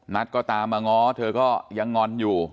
นัทก็ตามมางอแต่นัทก็ยังงอนอยู่